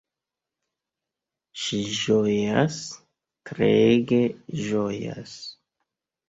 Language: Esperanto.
Ŝi ĝojas, treege ĝojas.